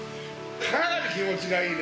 かなり気持ちがいいね